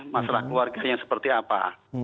masalah keluarganya seperti apa